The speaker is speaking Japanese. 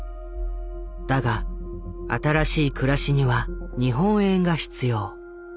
だが新しい暮らしには日本円が必要。